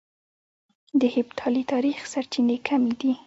د هېپتالي تاريخ سرچينې کمې دي